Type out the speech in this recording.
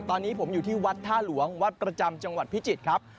ตอนนี้ผมอยู่ที่วัดท่าหลวงวัดประจำจังหวัดพิจิตรครับ